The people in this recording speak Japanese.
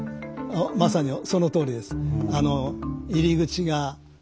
まさにそのとおりです。